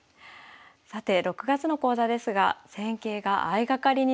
さて６月の講座ですが戦型が相がかりになります。